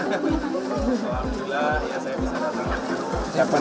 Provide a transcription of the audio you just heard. alhamdulillah ya saya bisa datang